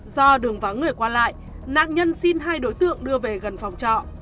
do đường vắng người qua lại nạn nhân xin hai đối tượng đưa về gần phòng trọ